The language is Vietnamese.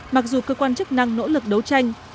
mặc dù cơ quan chức năng nỗ lực đấu tranh